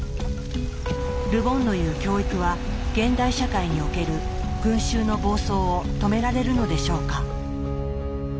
ル・ボンの言う「教育」は現代社会における群衆の暴走を止められるのでしょうか？